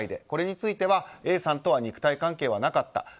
これについては、Ａさんとは肉体関係とはなかった。